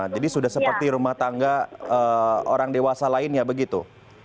jadi sudah seperti rumah tangga orang dewasa lain ya begitu